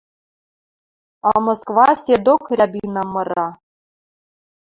А Москва седок «Рябинам» мыра